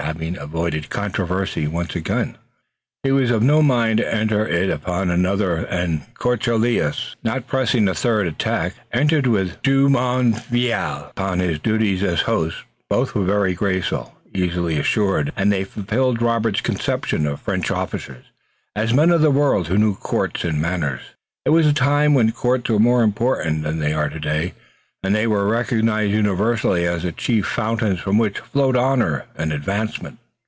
Having avoided controversy upon one point, he was of no mind to enter it upon another, and de Courcelles, not pressing a third attack, entered with Jumonville upon his duties as host. Both were graceful, easy, assured, and they fulfilled Robert's conception of French officers, as men of the world who knew courts and manners. It was a time when courts were more important than they are today, and they were recognized universally as the chief fountains from which flowed honor and advancement.